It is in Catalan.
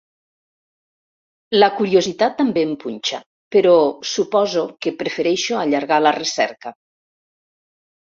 La curiositat també em punxa, però suposo que prefereixo allargar la recerca.